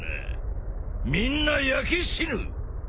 みんな焼け死ぬ！